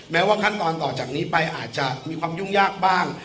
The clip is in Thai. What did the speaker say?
ว่าขั้นตอนต่อจากนี้ไปอาจจะมีความยุ่งยากบ้าง